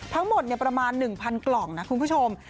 ทั้งหมดประมาณ๑๐๐๐กล่องนะคุณผู้ชม